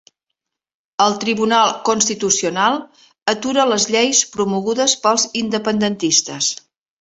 El Tribunal Constitucional atura les lleis promogudes pels independentistes.